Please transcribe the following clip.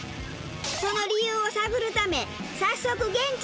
その理由を探るため早速現地調査。